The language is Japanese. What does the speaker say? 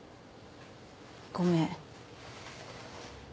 ごめん。